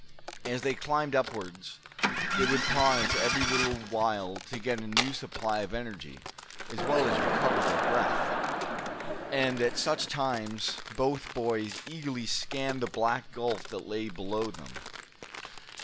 As they climbed upwards they would pause every little while to get a new supply of energy, as well as recover their breath. And at such times both boys eagerly scanned the black gulf that lay below them.